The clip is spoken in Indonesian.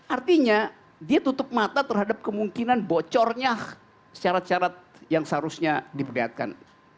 artinya dia tutup mata terhadap kemungkinan bocornya syarat syarat yang seharusnya diperlihatkan